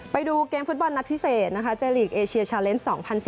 ไปดูเกมฟุตบอลนัดพิเศษนะคะเจลีกเอเชียชาเลนส์๒๐๑๙